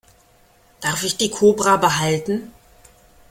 Darf ich die Kobra behalten?